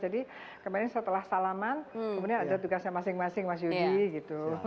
jadi kemarin setelah salaman kemudian ada tugasnya masing masing mas yudi